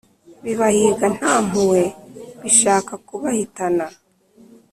Bibahiga nta mpuhwe bishaka kubahitana